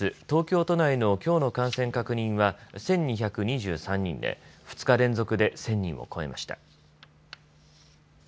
東京都内のきょうの感染確認は１２２３人で２日連続で１０００人を超えました。